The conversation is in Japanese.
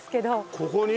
ここに？